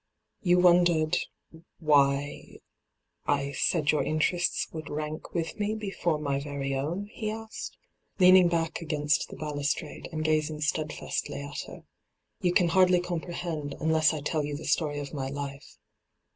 ' You wondered — why — I said your interests woald rank with me before my very own V he asked, leaning back against the balustrade, and gazing steadfastly at her. 'You can hardly comprehend, unless I t^l you the story of my life.